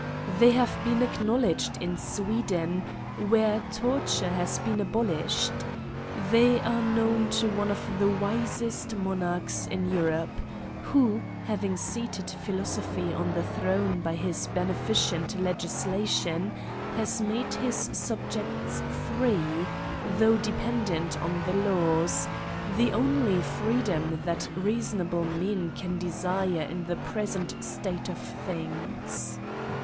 They have been acknow ledged in Sweden, where torture has been abolish ed. They are known to one of the wisest mo narchs in Europe, who, having seated philosophy on the throne by his beneficent legislation, has made his subjects free, though dependent on the laws; the only freedom that reasonable men can desire in the present state of things.